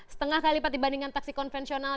setengah kali lipat dibandingkan taksi konvensional